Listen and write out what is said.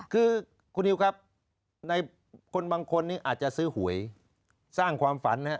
คือคุณนิวครับในคนบางคนนี้อาจจะซื้อหวยสร้างความฝันนะครับ